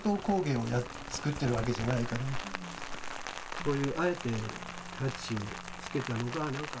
こういうあえてタッチをつけたのが。